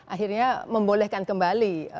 akhirnya membolehkan kembali